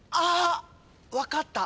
分かった。